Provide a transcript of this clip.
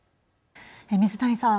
水谷さん。